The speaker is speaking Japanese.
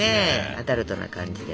アダルトな感じで。